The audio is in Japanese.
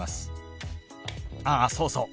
あっそうそう。